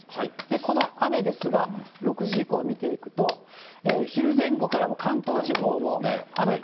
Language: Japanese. この雨ですが、６時以降、見ていくと、昼前後から、もう関東地方も雨、風、